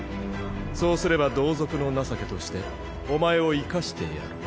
そうすれば同族の情けとしてお前を生かしてやろう。